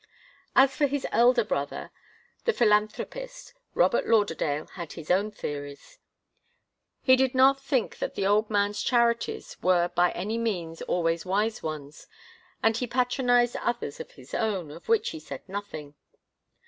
As for his elder brother, the philanthropist, Robert Lauderdale had his own theories. He did not think that the old man's charities were by any means always wise ones, and he patronized others of his own, of which he said nothing.